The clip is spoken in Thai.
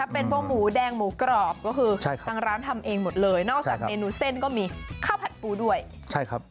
เป็นพวกหมูแดงหมูกรอบก็คือใช่ครับทางร้านทำเองหมดเลยนอกจากเมนูเส้นก็มีข้าวผัดปูด้วยใช่ครับ